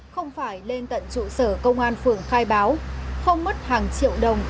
không phải lên tận trụ sở công an phường khai báo không mất hàng triệu đồng